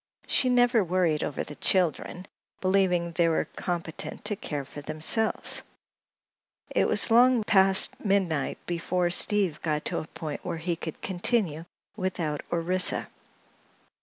She never worried over the "children," believing they were competent to care for themselves. It was long past midnight before Steve got to a point where he could continue without Orissa.